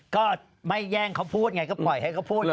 ก็ไม่แย่งเขาพูดไงก็ปล่อยให้เขาพูดเลย